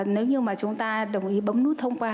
nếu như mà chúng ta đồng ý bấm nút thông qua